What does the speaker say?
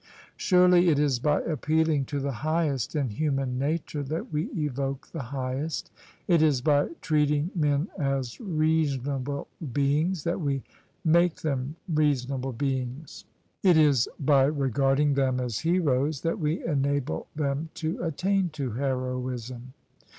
Surely it is by appealing to the highest in human nature that we evoke the highest: it is by treating men as reasonable beings that we make them reasonable beings: it is by regarding them as heroes that we enable them to attain to heroism."